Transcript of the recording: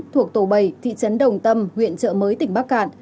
thuộc tổ bảy thị trấn đồng tâm huyện chợ mới tỉnh bắc cạn